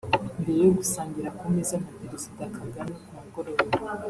mbere yo gusangira ku meza na Perezida Kagame ku mugoroba